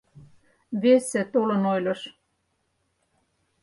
Весе толын ойлыш -